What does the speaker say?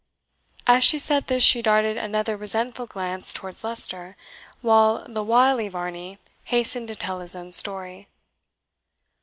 As she said this, she darted another resentful glance towards Leicester, while the wily Varney hastened to tell his own story.